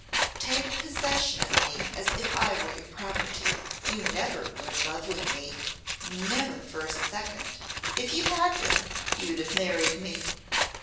"Take possession of me as if I were your property. You never were in love with me never for a second. If you had been you'd have married me."